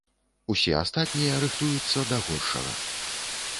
Усе астатнія рыхтуюцца да горшага.